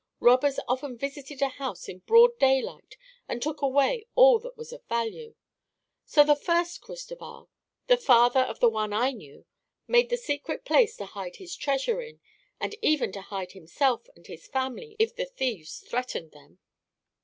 Robbers often visited a house in broad daylight and took away all that was of value; so the first Cristoval—the father of the one I knew—made the secret place to hide his treasure in, and even to hide himself and his family if the thieves threatened them."